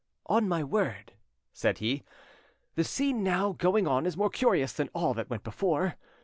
"On my word," said he, "the scene now going on is more curious than all that went before.